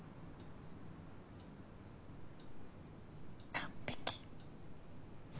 完璧。